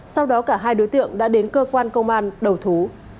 sau đó cả hai đối tượng đã đến cơ quan công an đầu thú